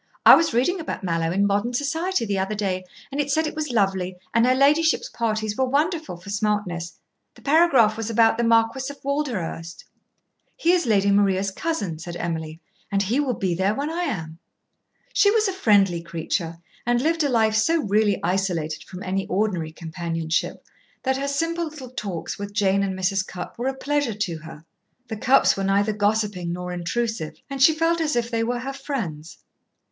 I was reading about Mallowe in 'Modern Society' the other day, and it said it was lovely and her ladyship's parties were wonderful for smartness. The paragraph was about the Marquis of Walderhurst." "He is Lady Maria's cousin," said Emily, "and he will be there when I am." She was a friendly creature, and lived a life so really isolated from any ordinary companionship that her simple little talks with Jane and Mrs. Cupp were a pleasure to her. The Cupps were neither gossiping nor intrusive, and she felt as if they were her friends.